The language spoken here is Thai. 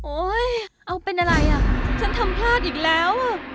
เอาเป็นอะไรอ่ะฉันทำพลาดอีกแล้วอ่ะ